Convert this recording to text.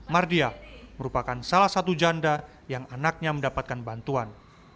mardia merupakan salah satu janda yang anaknya mendapatkan bantuan